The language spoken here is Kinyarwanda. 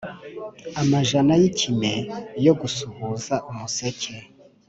amajana yikime yo gusuhuza umuseke,